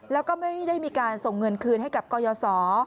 แล้วก็ไม่ได้มีการส่งเงินคืนให้กับกรยศ